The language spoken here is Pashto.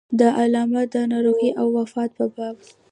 د علامه د ناروغۍ او وفات په باب.